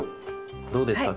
どうですか？